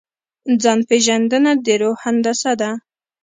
ځان پېژندنه د روح هندسه ده.